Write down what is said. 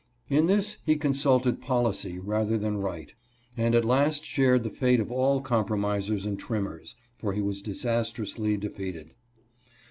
In this he consulted policy rather than right, and at last shared the fate of all compromisers and trimmers, for he was disastrously de feated.